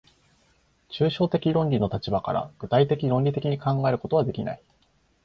抽象的論理の立場から具体的論理的に考えることはできない。